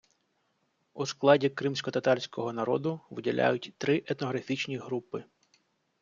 У складі кримськотатарського народу виділяють три етнографічні групи.